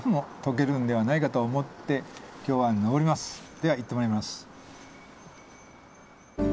では行ってまいります。